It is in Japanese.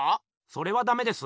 それはダメです。